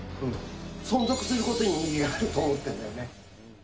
存続することに意義があると思ってるんだよね。